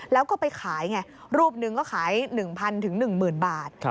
แล้วก็ไปขายไงรูปหนึ่งก็ขาย๑๐๐๑๐๐บาท